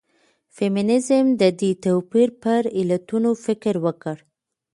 فيمنيزم د دې توپير پر علتونو فکر وکړ.